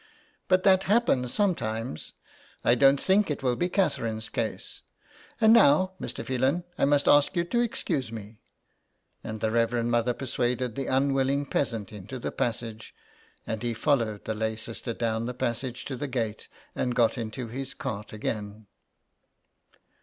But that happens sometimes. I don't think it will be Catherine's case. And now, Mr. Phelan, I must ask you to excuse me," and the Reverend Mother persuaded the unwilling peasant into the passage, and he followed the lay sister down the passage to the gate and got into his cart again.